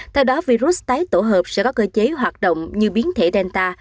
tại đó virus tái tổ hợp sẽ có cơ chế hoạt động như biến thể delta